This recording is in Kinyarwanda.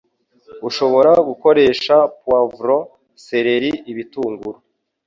Ushobora gukoresha poivron, seleri, ibitunguru,